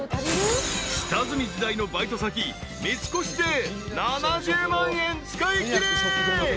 ［下積み時代のバイト先三越で７０万円使いきれ］